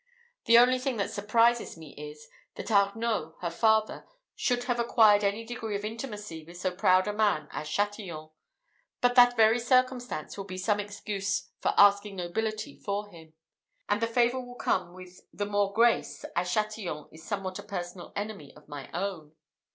The only thing that surprises me is, that Arnault, her father, should have acquired any degree of intimacy with so proud a man as Chatillon; but that very circumstance will be some excuse for asking nobility for him; and the favour will come with the more grace, as Chatillon is somewhat a personal enemy of my own."